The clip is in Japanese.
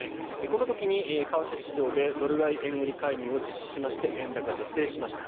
この時に為替市場でドル買い・円売り介入を行いまして円高を是正しました。